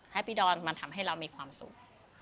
ให้พี่ดอนมันทำให้เรามีความสุข